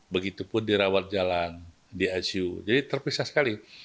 begitupun di rawat jalan di icu jadi terpisah sekali